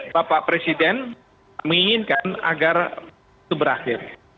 bapak presiden menginginkan agar itu berakhir